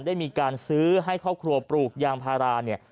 ได้มีการซื้อให้ครอบครัวปลูกยางพาราเนี่ย